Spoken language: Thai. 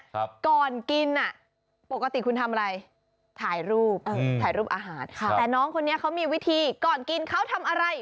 ก่อนกินน่ะปกติคุณทำอะไร